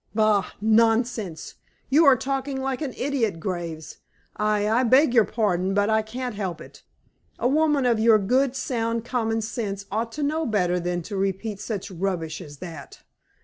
"Bah! Nonsense! You are talking like an idiot, Graves. I I beg your pardon, but I can't help it. A woman of your good, sound common sense ought to know better than to repeat such rubbish as that.